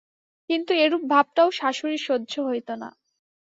কিন্তু এরূপ ভাবটাও শাশুড়ির সহ্য হইত না।